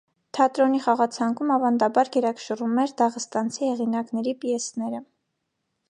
Թատրոնի խաղացանկում ավանդաբար գերակշռում էր դաղստանցի հեղինակների պիեսները։